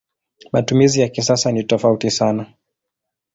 Matumizi ya kisasa ni tofauti sana.